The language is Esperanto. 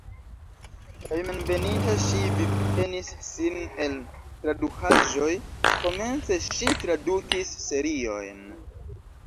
Hejmenveninta ŝi vivtenis sin el tradukaĵoj, komence ŝi tradukis seriojn.